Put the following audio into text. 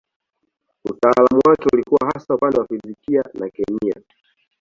Utaalamu wake ulikuwa hasa upande wa fizikia na kemia.